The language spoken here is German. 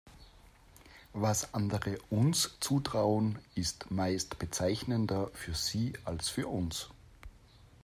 Was andere uns zutrauen, ist meist bezeichnender für sie als für uns.